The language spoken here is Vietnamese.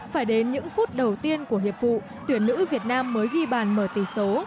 phải đến những phút đầu tiên của hiệp vụ tuyển nữ việt nam mới ghi bàn mở tỷ số